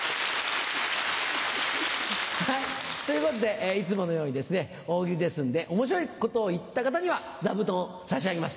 ということでいつものようにですね「大喜利」ですんで面白いことを言った方には座布団を差し上げます。